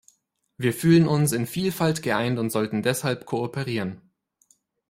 Wir fühlen uns in Vielfalt geeint und sollten deshalb kooperieren.